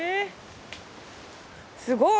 すごい！